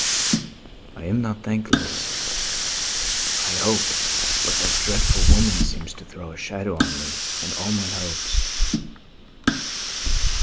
"I am not thankless, I hope, but that dreadful woman seems to throw a shadow on me and on all my hopes."